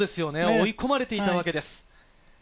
追い込まれていたわけです。